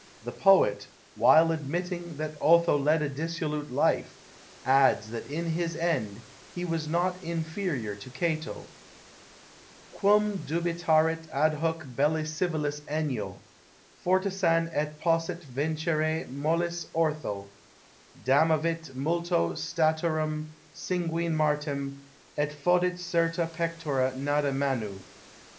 The poet, while admitting that Otho led a dissolute life, adds that in his end he was not inferior to Cato: *' Quum dubitaret adhuc belli civilis Enyo, Forsitan et posset vinoere mollis Ortho; Damnavit multo staturum sanguine Martem, Et f odit certa pectora nuda manu.